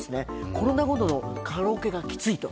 コロナ後のカラオケがキツいと。